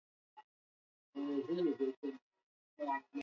wa Bongo Fleva kwa sasa Hapana shaka jibu zuri unalo wewe mpenzi wa muziki